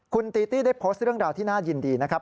คุณตีตี้ได้โพสต์เรื่องราวที่น่ายินดีนะครับ